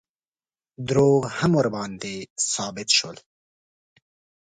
دروغ هم ورباندې ثابت شول.